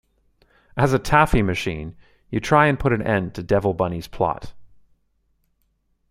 As a taffy machine, you try and put an end to Devil Bunny's plot.